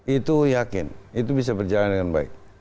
itu yakin itu bisa berjalan dengan baik